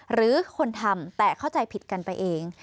หรือคนทำแต่เข้าใจผิดกันไปเอง